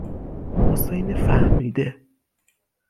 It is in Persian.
حسین فهمیده